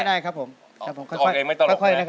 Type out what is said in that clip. แล้วแล้วแล้วแล้ว